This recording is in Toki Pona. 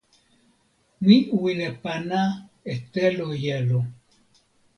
mi wile pana e telo jelo.